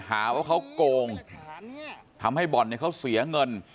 หาว่าเขาโกงทำให้บ่อนเนี่ยเขาเสียเงิน